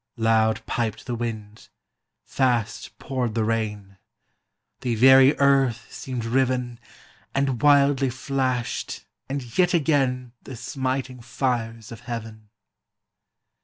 Loud piped the wind, fast poured the rain, The very earth seemed riven, And wildly flashed, and yet again, The smiting fires of heaven.